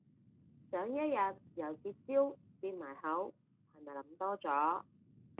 想一日由結焦變埋口係咪諗多咗